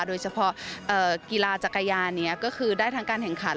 โดยเฉพาะกีฬาจักรยานนี้ก็คือได้ทั้งการแข่งขัน